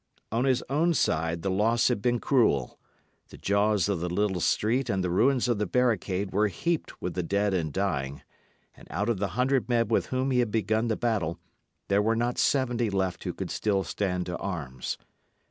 On his own side the loss had been cruel. The jaws of the little street and the ruins of the barricade were heaped with the dead and dying; and out of the hundred men with whom he had begun the battle, there were not seventy left who could still stand to arms.